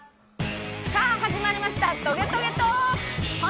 さあ始まりました「トゲトゲトーク」！